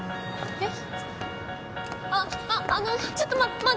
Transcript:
えっ？